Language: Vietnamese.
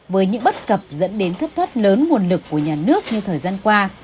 với những bất cập dẫn đến thất thoát lớn nguồn lực của nhà nước như thời gian qua